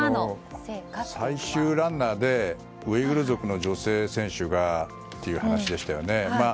最終ランナーでウイグル族の女性選手がという話でしたよね。